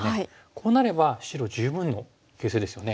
こうなれば白十分の形勢ですよね。